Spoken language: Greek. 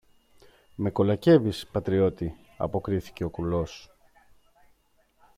Με κολακεύεις, πατριώτη, αποκρίθηκε ο κουλός